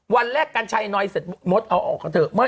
วันแรกกัญชัยหน่อยเสร็จมดเอาออกกันเถอะ